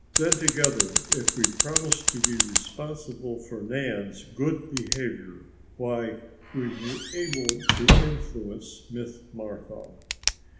Then together if we promise to be responsible for Nan's good behavior, why we may be able to influence Miss Martha."